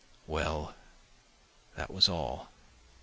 well, that was all.